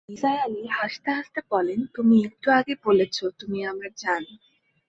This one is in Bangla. নিসার আলি হাসতে-হাসতে বললেন, তুমি একটু আগে বলেছ, তুমি আমার নাম জান।